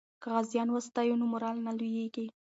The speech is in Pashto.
که غازیان وستایو نو مورال نه لویږي.